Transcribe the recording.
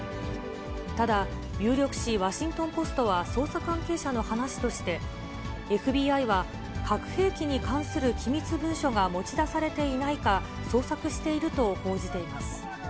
ただ、有力紙ワシントンポストは捜査関係者の話として、ＦＢＩは、核兵器に関する機密文書が持ち出されていないか捜索していると報じています。